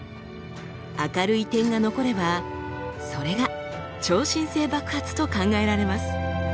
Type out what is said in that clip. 明るい点が残ればそれが超新星爆発と考えられます。